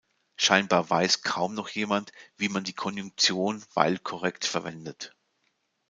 Scheinbar weiß kaum noch jemand, wie man die Konjunktion weil korrekt verwendet.